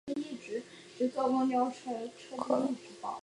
摩羯的首府是波罗克瓦尼。